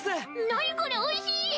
何これおいしい！